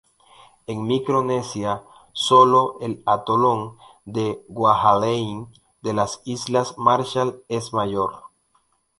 En Micronesia, sólo el atolón de Kwajalein de las islas Marshall es mayor.